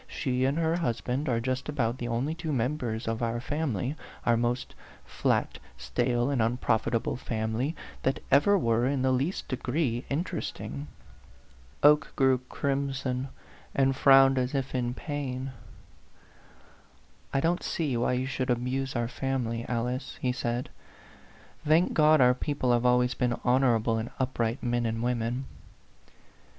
Ske and her husband are just about the only two members of our family our most flat, stale, and unprofitable family that ever were in the least degree interesting." Oke grew crimson, and frowned as if in pain. "I don't see why you should abuse our family, Alice," he said. "Thank God, our people have always been honorable and up right men and women